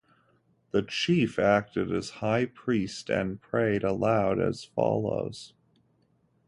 The chief acted as high priest and prayed aloud as follows.